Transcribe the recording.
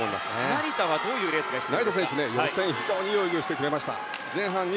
成田はどういうレースが必要ですか？